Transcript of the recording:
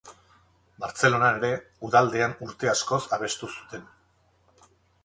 Bartzelonan ere udaldean urte askoz abestu zuten.